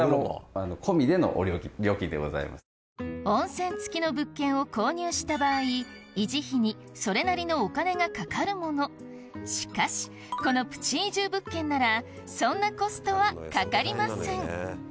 温泉付きの物件を購入した場合維持費にそれなりのお金がかかるものしかしこのプチ移住物件ならそんなコストはかかりません